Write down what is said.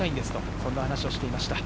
そんな話をしていました。